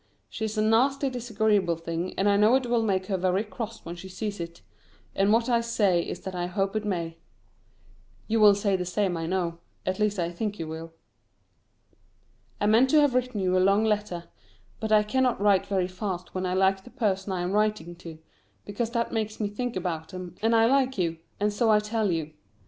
She is a nasty disagreeable thing, and I know it will make her very cross when she sees it; and what I say is that I hope it may. You will say the same I know at least I think you will. I meant to have written you a long letter, but I cannot write very fast when I like the person I am writing to, because that makes me think about them, and I like you, and so I tell you.